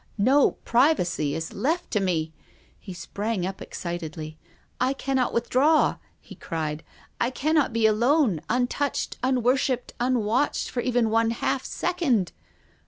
No privacy is left to mc." lie sprang up excitedly. " I cannot withdraw," he cried, " I cannot be alone, untouched, unworshipped, un watchcd for even one half second.